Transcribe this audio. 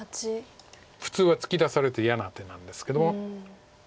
普通は突き出されて嫌な手なんですけども。